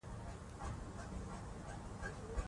هغه د زړه له جوشه لنډۍ وایي.